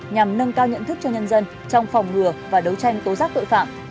nhằm nâng cao nhận thức cho nhân dân trong phòng ngừa và đấu tranh tố giác tội phạm